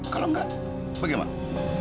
kalau enggak bagaimana